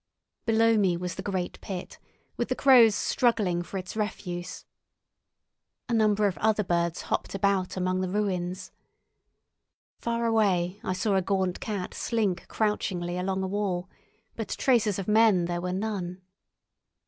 Below me was the great pit, with the crows struggling for its refuse. A number of other birds hopped about among the ruins. Far away I saw a gaunt cat slink crouchingly along a wall, but traces of men there were none.